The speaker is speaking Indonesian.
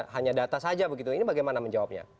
hanya data saja begitu ini bagaimana menjawabnya